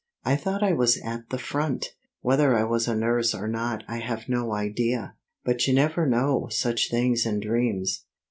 I thought I was at the front. Whether I was a nurse or not I have no idea; but you never know such things in dreams.